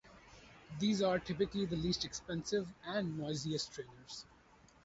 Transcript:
These are typically the least expensive and noisiest trainers.